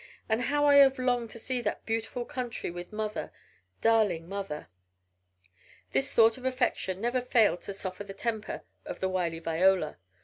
and how I have longed to see that beautiful country with mother darling mother!" This thought of affection never failed to soften the temper of the wily Viola.